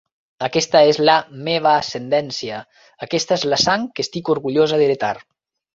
Aquesta és la meva ascendència; aquesta és la sang que estic orgullosa d'heretar.